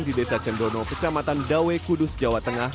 di desa cendono kecamatan dawe kudus jawa tengah